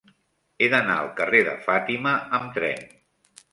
He d'anar al carrer de Fàtima amb tren.